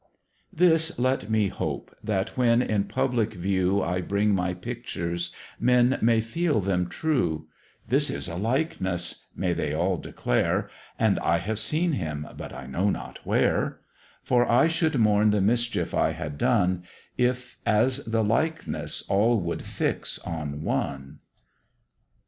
This let me hope, that when in public view I bring my Pictures, men may feel them true: "This is a likeness," may they all declare, "And I have seen him, but I know not where:" For I should mourn the mischief I had done, If as the likeness all would fix on one.